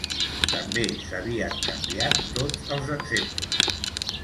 També s'havien canviat tots els exemples.